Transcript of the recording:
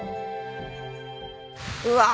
うわ！